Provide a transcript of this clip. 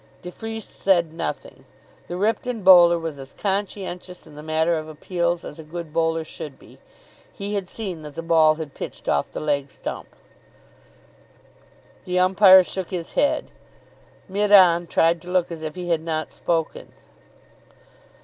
De Freece said nothing. The Ripton bowler was as conscientious in the matter of appeals as a good bowler should be. He had seen that the ball had pitched off the leg stump. The umpire shook his head. Mid on tried to look as if he had not spoken.